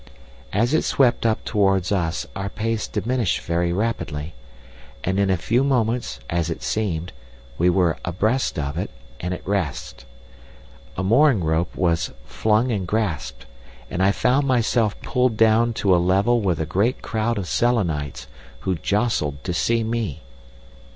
As it swept up towards us our pace diminished very rapidly, and in a few moments, as it seemed, we were abreast of it, and at rest. A mooring rope was flung and grasped, and I found myself pulled down to a level with a great crowd of Selenites, who jostled to see me.